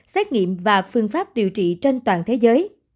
xét nghiệm và phương pháp điều trị trên toàn thế giới